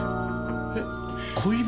えっ恋人！？